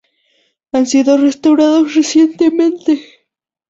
Han sido restaurados recientemente.